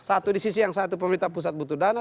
satu di sisi yang satu pemerintah pusat butuh dana